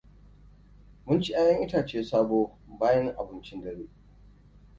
Mun ci 'ya'yan itace sabo bayan abincin dare.